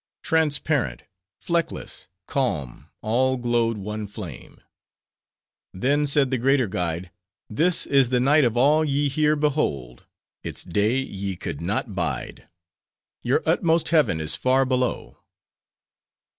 Transparent, fleck less, calm, all glowed one flame. "Then said the greater guide This is the night of all ye here behold— its day ye could not bide. Your utmost heaven is far below.